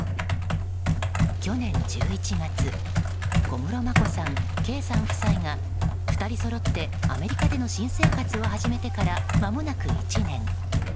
去年１１月小室眞子さん、圭さん夫妻が２人そろってアメリカでの新生活を始めてからまもなく１年。